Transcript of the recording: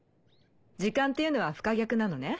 時間っていうのは不可逆なのね。